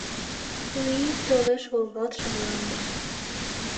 У ий толеш волгалтше мландыш.